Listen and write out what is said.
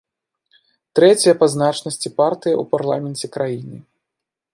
Трэцяя па значнасці партыя ў парламенце краіны.